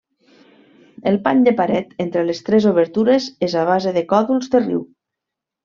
El pany de paret entre les tres obertures és a base de còdols de riu.